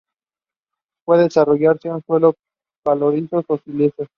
Puede desarrollarse en suelos calizos o silíceos.